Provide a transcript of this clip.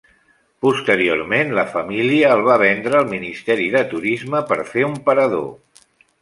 Posteriorment, la família el va vendre al Ministeri de Turisme per fer un parador.